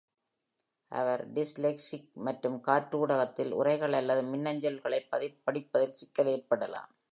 அவர் dyslexic மற்றும் காற்று ஊடகத்தில் உரைகள் அல்லது மின்னஞ்சல்களைப் படிப்பதில் சிக்கல் ஏற்படலாம்